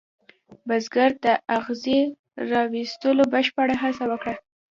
بزګر د اغزي را ویستلو بشپړه هڅه وکړه.